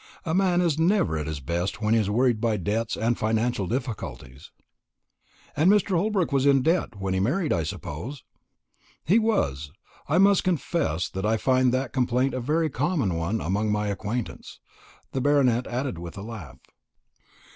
A man is never at his best when he is worried by debts and financial difficulties." "And Mr. Holbrook was in debt when he married, I suppose?" "He was. I must confess that I find that complaint a very common one among my acquaintance," the Baronet added with a laugh.